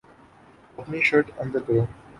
اپنی شرٹ اندر کرو